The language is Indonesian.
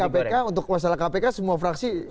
apalagi kpk untuk masalah kpk semua fraksi bulat